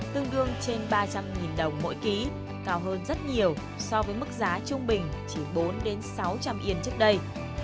tương đương trên ba trăm linh đồng mỗi ký cao hơn rất nhiều so với mức giá trung bình chỉ bốn sáu trăm linh yên trước đây